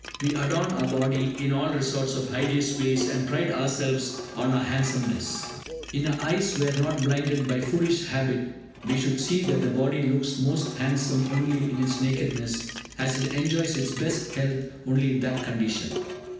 We 'adorn' our body in all sorts of hideous ways, and pride ourselves on our handsomeness! If our eyes were not blinded by foolish habit, we should see that the body looks most handsome only in its nakedness, as it enjoys its best health only in that condition.